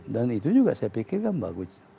dan itu juga saya pikir kan bagus